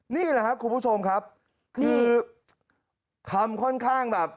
นี่แหละครับคุณผู้ชมครับคือคำค่อนข้างแบบ